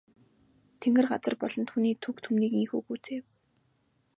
Тэнгэр газар болон түүний түг түмнийг ийнхүү гүйцээв.